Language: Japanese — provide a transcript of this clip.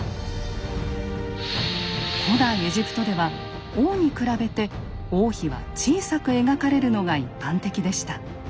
古代エジプトでは王に比べて王妃は小さく描かれるのが一般的でした。